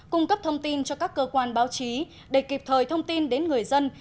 cung cấp thông tin cho các cơ quan báo chí để kịp thời thông tin đến người dân